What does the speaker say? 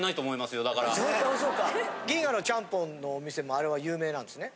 銀河のチャンポンのお店もあれは有名なんですね。